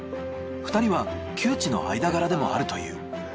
２人は旧知の間柄でもあるという。